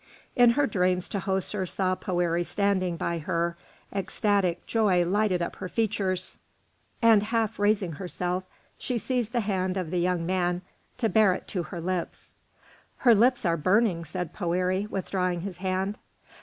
In her dreams Tahoser saw Poëri standing by her; ecstatic joy lighted up her features, and half raising herself, she seized the hand of the young man to bear it to her lips. "Her lips are burning," said Poëri, withdrawing his hand.